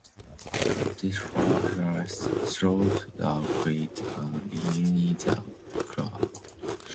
This fire rises through the grate and ignites the charcoal.